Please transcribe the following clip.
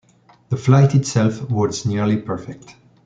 The flight itself was nearly perfect.